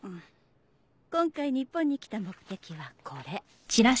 今回日本に来た目的はこれ。